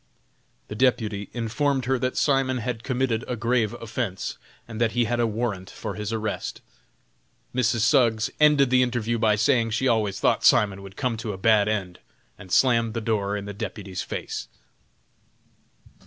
The deputy informed her that Simon had committed a grave offense, and that he had a warrant for his arrest. Mrs. Suggs ended the interview by saying she always thought Simon would come to a bad end, and slammed the door in the deputy's face.